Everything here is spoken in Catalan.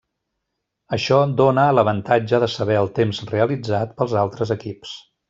Això dóna l'avantatge de saber el temps realitzat pels altres equips.